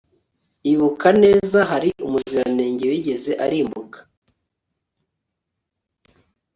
ibuka neza: hari umuziranenge wigeze arimbuka